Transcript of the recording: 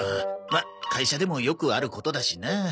まあ会社でもよくあることだしな。